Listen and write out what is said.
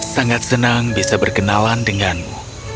sangat senang bisa berkenalan denganmu